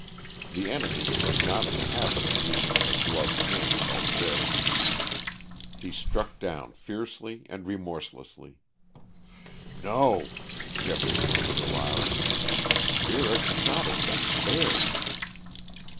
The enemy was not in the habit of using the gloved hand like this. He struck down fiercely and remorselessly. "No," Geoffrey murmured aloud; "Vera could not have been spared!"